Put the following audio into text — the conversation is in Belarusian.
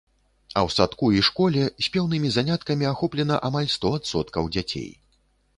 А ў садку і школе спеўнымі заняткамі ахоплена амаль сто адсоткаў дзяцей.